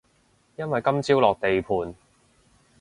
因為今朝落地盤